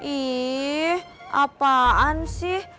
ih apaan sih